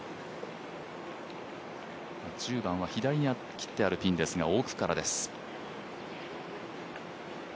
１０番は左に切ってあるピンですが、奥からです。